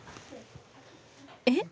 えっ？